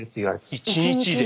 １日で？